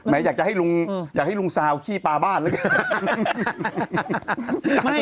แม้อยากให้ลุงซาเอาขี้ปลาบ้านแล้วกัน